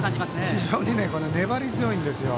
非常に粘り強いんですよ。